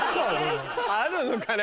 あるのかな？